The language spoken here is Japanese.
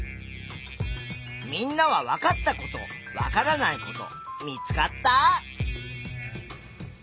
みんなはわかったことわからないこと見つかった？